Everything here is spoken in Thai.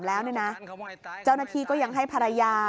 พอหลังจากเกิดเหตุแล้วเจ้าหน้าที่ต้องไปพยายามเกลี้ยกล่อม